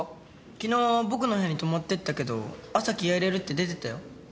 昨日僕の部屋に泊まってったけど朝気合入れるって出てったよ。